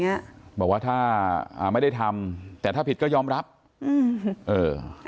เนี้ยบอกว่าถ้าอ่าไม่ได้ทำแต่ถ้าผิดก็ยอมรับอืมเออ